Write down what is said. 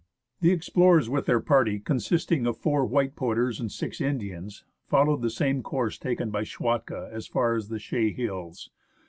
The explorers with their party, consisting of four white porters and six Indians, followed the same course taken by Schwatka as far as the Chaix Hills.